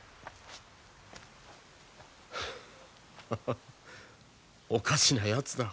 ハハハおかしなやつだ。